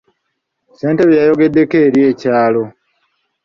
Ssentebe yayogeddeko eri ekyalo.